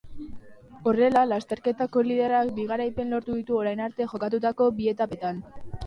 Horrela, lasterketako liderrak bi garaipen lortu ditu orain arte jokatutako bi etapetan.